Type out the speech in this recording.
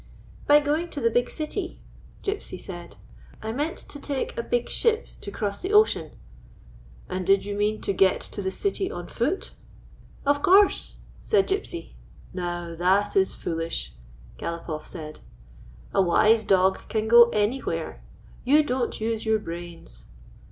" By going to the big city," Gypsy said. "I meant to take a big ship to cross the ocean." "And did you mean to get to the city on foot?" Ix 3 GYPSY, THE TALKING DOG " Of course," said Gypsy. "Now, that is foolish," Galopoff said. "A wise dog can go anywhere. You don't use your brains."